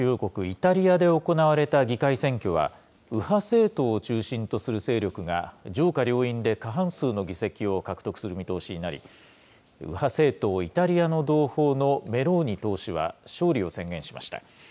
イタリアで行われた議会選挙は、右派政党を中心とする勢力が、上下両院で過半数の議席を獲得する見通しになり、右派政党・イタリアの同胞のメローニ党首は、勝利を宣言しました。